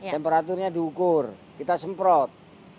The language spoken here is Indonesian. temperaturnya diukur kita semprot